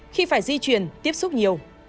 khi phải di chuyển tiếp xúc nhiều